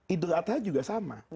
idul atas juga sama